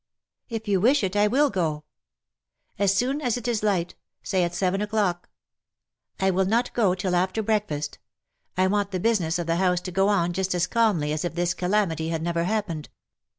'' If you wish it I will go/^ " As soon as it is light — say at seven o^clock." " I will not go till after breakfast. I want the business of the house to go on just as calmly as if this calamity had never happened.